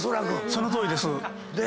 そのとおりです。